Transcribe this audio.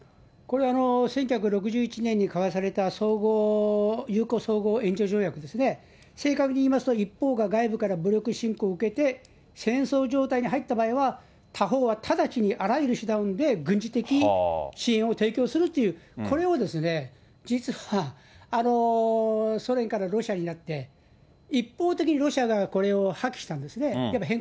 これ、１９６１年に交わされたゆうこう総合えんじょ条約ですね、正確に言いますと、一方が外部から武力侵略を受けて、戦争状態に入った場合は、他方は直ちにいわゆる手段で軍事的支援を提供するという、これをですね、実はソ連からロシアになって、一方的にロシアがこれを破棄したんですね。